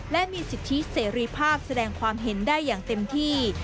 และมีสิทธิเสรีภาพแสดงความเห็นได้อย่างเต็มที่